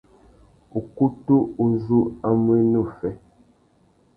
Ukutu uzu a mú ena uffê.